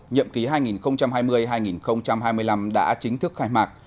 nhậm ký hai nghìn hai mươi hai nghìn hai mươi năm đã chính thức khai mạc